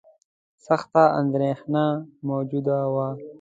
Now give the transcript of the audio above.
سخته اندېښنه موجوده وه.